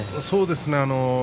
そうですね。